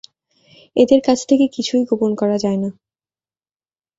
এদের কাছ থেকে কিছুই গোপন করা যায় না।